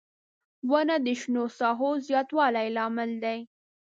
• ونه د شنو ساحو زیاتوالي لامل دی.